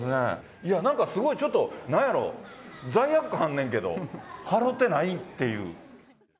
いや、なんかちょっと、なんやろ、罪悪感あんねんけど、払ってないっていう。